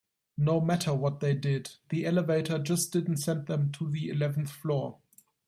No matter what they did, the elevator just didn't send them to the eleventh floor.